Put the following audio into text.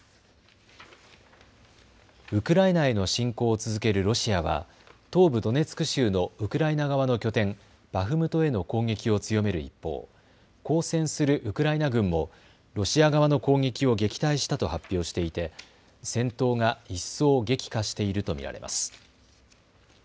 ウクライナへの侵攻を続けるロシアは東部ドネツク州のウクライナ側の拠点、バフムトへの攻撃を強める一方、抗戦するウクライナ軍もロシア側の攻撃を撃退したと発表していて戦闘が一層激化していると見られます。